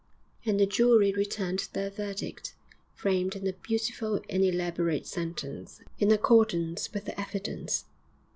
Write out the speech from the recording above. And the jury returned their verdict, framed in a beautiful and elaborate sentence, in accordance with the evidence.